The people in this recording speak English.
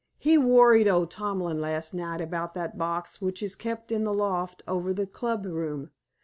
He worried old Tomlin last night about that box, which is kept in the loft over the club room.